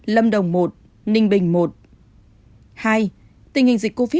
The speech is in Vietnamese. lâm đồng một